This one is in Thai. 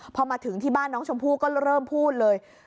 พอมาถึงที่บ้านน้องชมพู่ก็เริ่มพูดเลย